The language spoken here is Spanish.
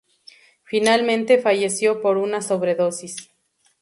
Finalmente falleció por una sobredosis.